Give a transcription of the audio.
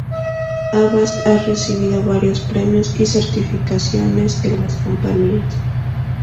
Avast ha recibido varios premios y certificaciones de las compañías;